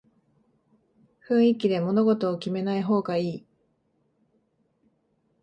雰囲気で物事を決めない方がいい